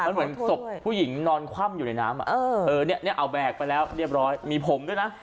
มันเหมือนศพผู้หญิงนอนคว่ำอยู่ในน้ำเอาแบกไปแล้วเรียบร้อยมีผมด้วยนะ